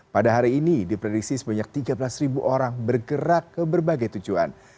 pada hari ini diprediksi sebanyak tiga belas orang bergerak ke berbagai tujuan